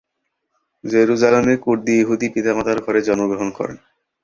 জেরুজালেমে কুর্দি-ইহুদি পিতামাতার ঘরে জন্মগ্রহণ করেন।